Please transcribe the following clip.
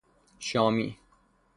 شامی